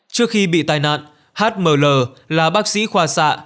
trước khi bị tai nạn hml là bác sĩ khoa xạ